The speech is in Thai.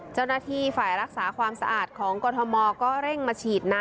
เจ้าหน้าที่ฝ่ายรักษาความสะอาดของกรทมก็เร่งมาฉีดน้ำ